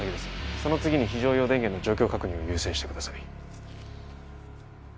その次に非常用電源の状況確認を優先してください